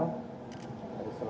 dalam waktu yang sangat tepat